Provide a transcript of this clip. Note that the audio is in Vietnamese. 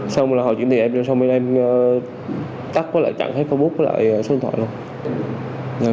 xong rồi họ chuyển tiền cho bên em xong bên em tắt quay lại chẳng thấy facebook lại số điện thoại đâu